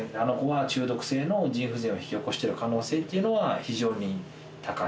中毒性の腎不全を引き起こしてる可能性というのは、非常に高い。